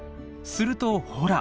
するとほら。